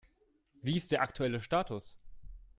Wie ist der aktuelle Status?